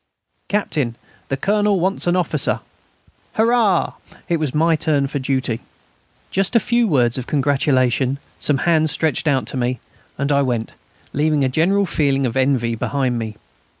"Captain, the Colonel wants an officer." "Hurrah!" It was my turn for duty.... Just a few words of congratulation, some hands stretched out to me, and I went, leaving a general feeling of envy behind me.